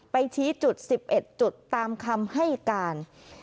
ชี้จุด๑๑จุดตามคำให้การ